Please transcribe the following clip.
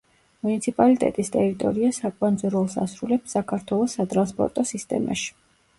მუნიციპალიტეტის ტერიტორია საკვანძო როლს ასრულებს საქართველოს სატრანსპორტო სისტემაში.